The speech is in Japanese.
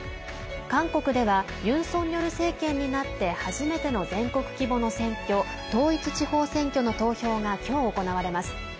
韓国ではユン・ソンニョル政権になって初めての全国規模の選挙統一地方選挙の投票がきょう、行われます。